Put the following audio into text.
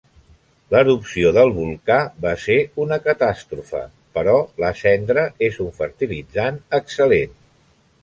L'erupció del volcà va ser una catàstrofe, però la cendra és un fertilitzant excel·lent.